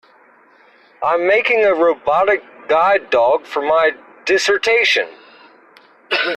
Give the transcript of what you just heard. I'm making a robotic guide dog for my dissertation.